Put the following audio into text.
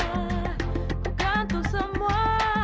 gua gantung semua